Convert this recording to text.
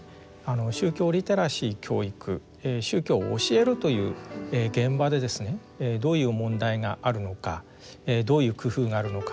宗教リテラシー教育宗教を教えるという現場でですねどういう問題があるのかどういう工夫があるのか。